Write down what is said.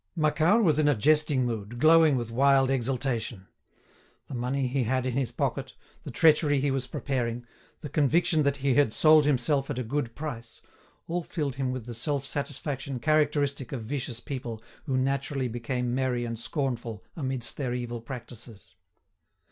Macquart was in a jesting mood, glowing with wild exultation. The money he had in his pocket, the treachery he was preparing, the conviction that he had sold himself at a good price—all filled him with the self satisfaction characteristic of vicious people who naturally became merry and scornful amidst their evil practices.